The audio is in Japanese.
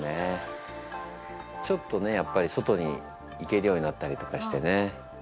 ちょっとねやっぱり外に行けるようになったりとかしてね。